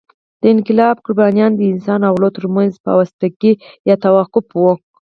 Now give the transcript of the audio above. د انقلاب قربانیان د انسان او غلو تر منځ فاوستي توافق وو.